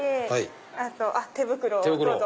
手袋をどうぞ！